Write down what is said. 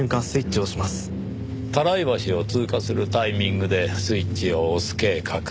多良伊橋を通過するタイミングでスイッチを押す計画。